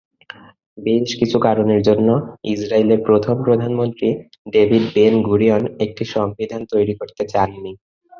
বেশ কিছু কারণের জন্য, ইসরাইলের প্রথম প্রধানমন্ত্রী ডেভিড বেন-গুরিয়ন একটি সংবিধান তৈরি করতে চাননি।